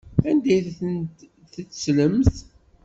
Anda ay ten-tettlemt?